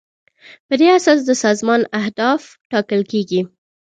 په دې اساس د سازمان اهداف ټاکل کیږي.